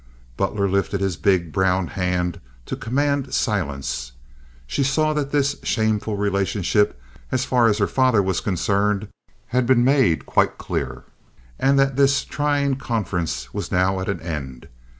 Butler lifted his big, brown hand to command silence. She saw that this shameful relationship, as far as her father was concerned, had been made quite clear, and that this trying conference was now at an end.